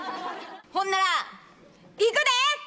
ほんならいくで！